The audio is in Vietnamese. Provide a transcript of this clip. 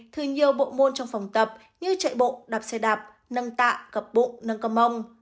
như nhiều bộ môn trong phòng tập như chạy bộ đạp xe đạp nâng tạ gập bụng nâng cầm mông